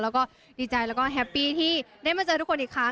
แล้วก็ดีใจแล้วก็แฮปปี้ที่ได้มาเจอทุกคนอีกครั้ง